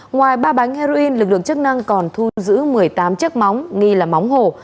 ngoài ba bánh heroin lực lượng chức năng còn thu giữ một mươi tám chiếc móng nghi là móng hổ